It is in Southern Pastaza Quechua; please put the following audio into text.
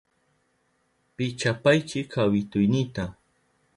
Pichapaychi kawituynita.